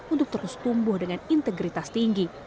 untuk terus tumbuh dengan integritas tinggi